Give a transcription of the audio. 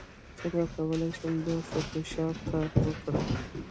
څنګه کولی شم په فوټوشاپ کار وکړم